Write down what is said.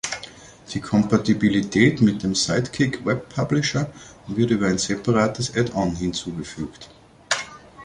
Die Kompatibilität mit dem Sidekick Web Publisher wird über ein separates Add-on hinzugefügt.